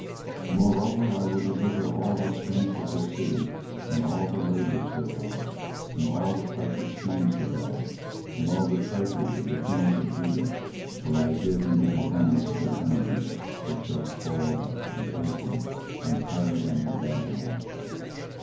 24:020:005 Moreover I will deliver all the strength of this city, and all the labours thereof, and all the precious things thereof, and all the treasures of the kings of Judah will I give into the hand of their enemies, which shall spoil them, and take them, and carry them to Babylon.